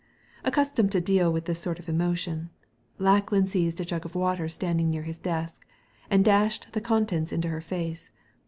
Accustomed to deal with this sort of emotion, Lackland seized a jug of water standing near his desk, and dashed the contents into her face.